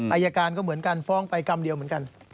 อายการก็เหมือนกันฟ้องไปกรรมเดียวเหมือนกัน